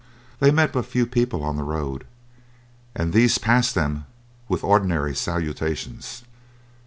They met but few people on the road, and these passed them with ordinary salutations.